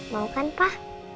mau kan pa